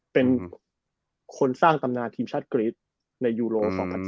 เป็นคนสร้างตำนานทีมชาติกรี๊ดในยูโร๒๐๑๘